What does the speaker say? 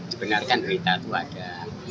sebenarnya berita itu ada